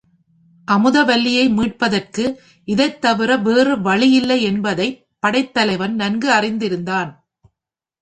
அமுதவல்லியை மீட்பதற்கு இதைத் தவிர வேறு வழி இல்லை என்பதைப் படைத் தலைவன் நன்கு அறிந்திருந்தான்.